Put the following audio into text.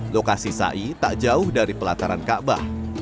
lokasi syai tak jauh dari pelataran kaabah